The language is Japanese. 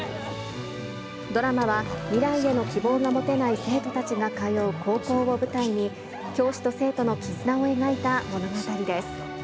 ドラマは未来への希望が持てない生徒たちが通う高校を舞台に、教師と生徒の絆を描いた物語です。